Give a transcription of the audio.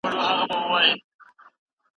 ایا ستا مقاله په کومه علمي مجله کي خپره سوي ده؟